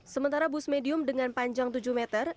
sementara bus medium dengan panjang tujuh meter